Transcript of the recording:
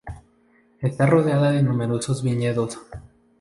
Está rodeada de numerosos viñedos.